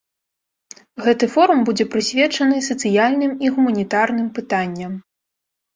Гэты форум будзе прысвечаны сацыяльным і гуманітарным пытанням.